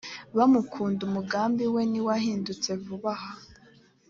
bamukunda umugambi we ntiwahindutse vuba aha